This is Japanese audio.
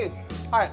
はい。